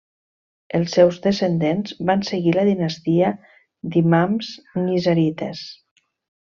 Els seus descendents van seguir la dinastia d'imams nizarites.